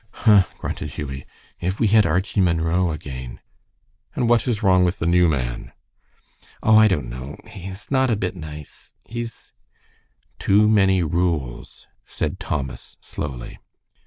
"Huh!" grunted Hughie. "If we had Archie Munro again." "And what is wrong with the new man?" "Oh, I don't know. He's not a bit nice. He's " "Too many rules," said Thomas, slowly.